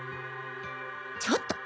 ちょっと！